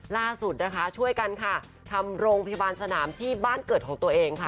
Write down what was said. ล่าสุดนะคะช่วยกันค่ะทำโรงพยาบาลสนามที่บ้านเกิดของตัวเองค่ะ